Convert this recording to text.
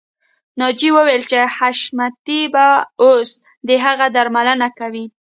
ناجیه وویل چې حشمتي به اوس د هغې درملنه کوي